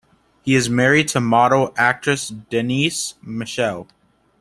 He is married to model and actress Denise Michele.